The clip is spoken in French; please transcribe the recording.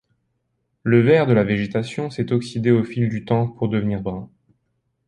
Le vert de la végétation s'est oxydé au fil du temps pour devenir brun.